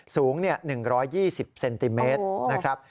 สูง๑๒๐เซนติเมตรนะครับ